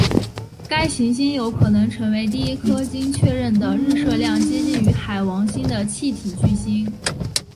该行星有可能成为第一颗经确认的日射量接近于海王星的气体巨星。